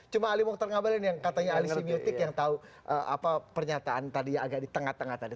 cuma ali mokhtar ngabalin yang katanya ali simutik yang tahu apa pernyataan tadi yang agak di tengah tengah tadi